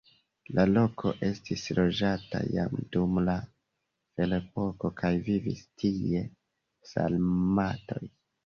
La loko estis loĝata jam dum la ferepoko kaj vivis tie sarmatoj.